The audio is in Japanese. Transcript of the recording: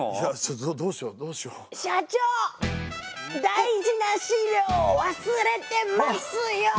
大事な資料を忘れてますよ！